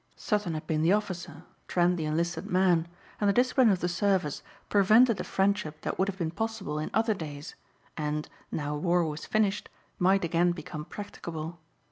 Sutton had been the officer; Trent the enlisted man and the discipline of the service prevented a friendship that would have been possible in other days and, now war was finished, might again become practicable.